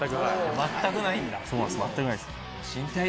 全くないんだ。